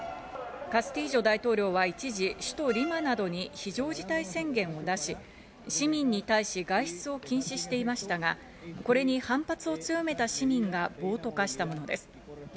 カスティージョ大統領は一時、首都リマなどに非常事態宣言を出し、市民に対し外出を禁止していましたが、これに反発を強めた市民が暴徒化したものです。